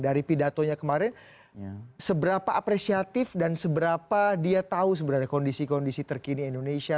dari pidatonya kemarin seberapa apresiatif dan seberapa dia tahu sebenarnya kondisi kondisi terkini indonesia